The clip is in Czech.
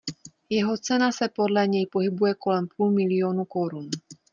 Jeho cena se podle něj pohybuje kolem půl miliónu korun.